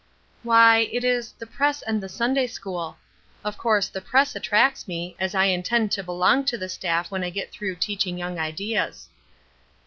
"Why, it is 'The Press and the Sunday school.' Of course the press attracts me, as I intend to belong to the staff when I get through teaching young ideas."